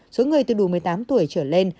số người từ đủ một mươi tám tuổi trở lên